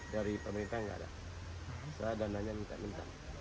dari pemerintah nggak ada saya dananya minta minta